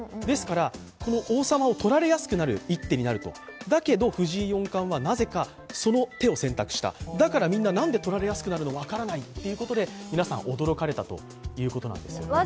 ですから、王様をとられやすくなる一手になるとだけど、藤井四冠はなぜかその手を選択した、だからみんな、何でとられやすくなるのわからないということで皆さん驚かれたということなんですよ。